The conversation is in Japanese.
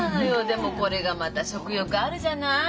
でもこれがまた食欲あるじゃない？